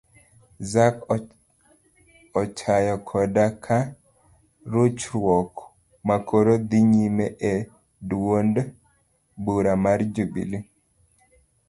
Zac ochayo koda ka rochruok makoro dhi nyime e duond bura mar jubilee